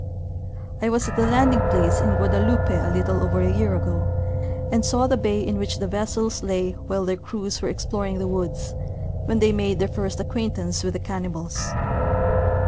I was at the landing place in Guadeloupe a little. over a year ago, and saw the bay in which the vessels lay while their crews were ex ploring the woods, when they made their first acquaintance with the cannibals.